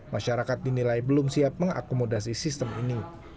masyarakat dinilai belum siap mengakomodasi sistem ini